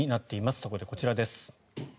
そこでこちらです。